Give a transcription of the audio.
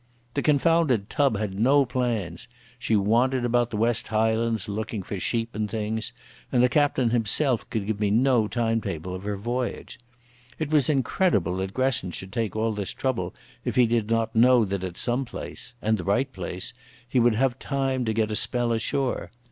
The confounded tub had no plans; she wandered about the West Highlands looking for sheep and things; and the captain himself could give me no time table of her voyage. It was incredible that Gresson should take all this trouble if he did not know that at some place—and the right place—he would have time to get a spell ashore.